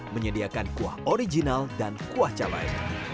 menyediakan kuah original dan kuah cabai